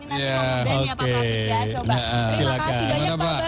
ini nanti mau nge band ya pak pratik ya